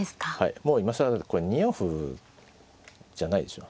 もう今更これ２四歩じゃないでしょう。